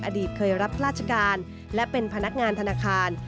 อดีตเคยรับราชการและเป็นพนักงานธนาคาร